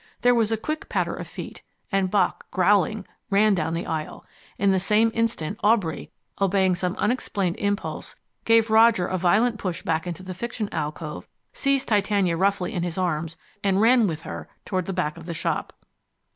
There was a quick patter of feet, and Bock, growling, ran down the aisle. In the same instant, Aubrey, obeying some unexplained impulse, gave Roger a violent push back into the Fiction alcove, seized Titania roughly in his arms, and ran with her toward the back of the shop.